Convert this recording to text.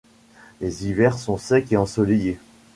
Les hivers sont secs et ensoleillés.